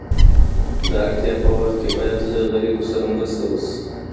د اړتیا په وخت کي باید له غریبو سره مرسته وسي.